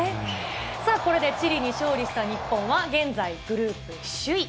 さあこれでチリに勝利した日本は、現在グループ首位。